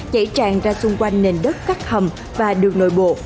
chảy tràn ra xung quanh nền đất cắt hầm và đường nội bộ